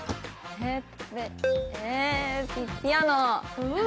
えっ